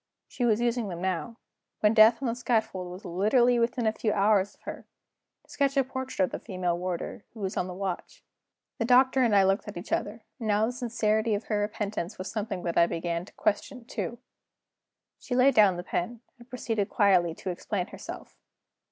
She was using them now when death on the scaffold was literally within a few hours of her to sketch a portrait of the female warder, who was on the watch! The Doctor and I looked at each other; and now the sincerity of her repentance was something that I began to question, too. She laid down the pen, and proceeded quietly to explain herself.